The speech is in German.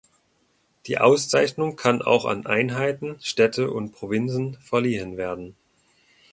Die Auszeichnung kann auch an Einheiten, Städte und Provinzen verliehen werden.